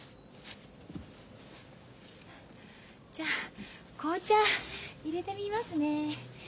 じゃあ紅茶いれてみますね。